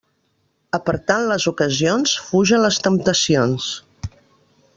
Apartant les ocasions fugen les temptacions.